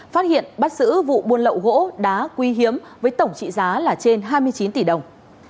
phát hiện bắt giữ vụ buôn lậu gỗ đá quý hiếm với tổng trị giá là trên hai mươi chín tỷ đồng